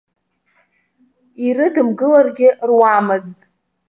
Ирыдымгыларгьы руамызт.